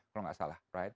kalau nggak salah